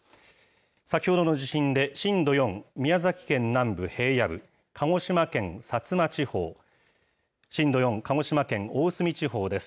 先ほどの地震で、震度４、宮崎県南部、平野部、鹿児島県薩摩地方、震度４、鹿児島県大隅地方です。